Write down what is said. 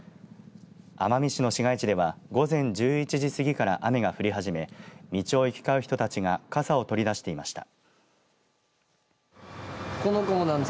奄美市の市街地では午前１１時過ぎから雨が降り始め道を行きかう人たちが傘を取り出していました。